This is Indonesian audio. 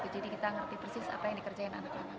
jadi kita ngerti persis apa yang dikerjain anak anak